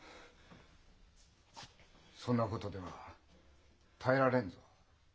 そんなことでは耐えられんぞ。